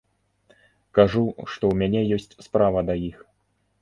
Кажу, што ў мяне ёсць справа да іх.